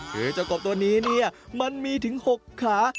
คือเจ้ากบตัวนี้เนี่ยมันมีถึง๖ขา